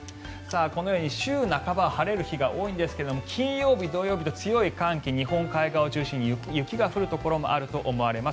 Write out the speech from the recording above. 週半ばからは晴れる日が多いんですが金曜日、土曜日と強い寒気日本海側を中心に雪が降るところもあると思われます。